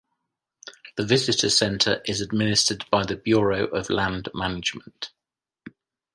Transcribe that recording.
The visitor center is administered by the Bureau of Land Management.